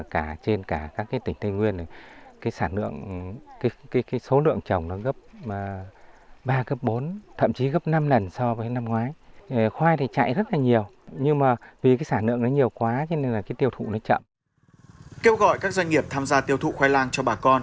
kêu gọi các doanh nghiệp tham gia tiêu thụ khoai lang cho bà con